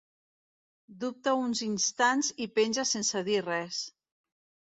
Dubta uns instants i penja sense dir res.